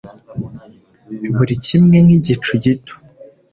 Buri kimwe nkigicu gito